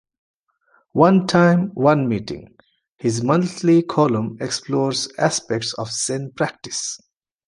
"One Time, One Meeting," his monthly column, explores aspects of Zen practice.